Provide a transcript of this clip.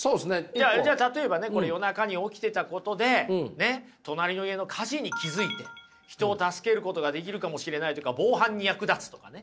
じゃあ例えばねこれ夜中に起きてたことでねっ隣の家の火事に気付いて人を助けることができるかもしれないとか防犯に役立つとかね。